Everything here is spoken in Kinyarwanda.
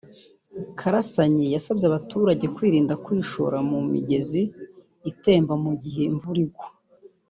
Karasanyi yasabye abaturage kwirinda kwishora mu migezi itemba mu gihe imvura igwa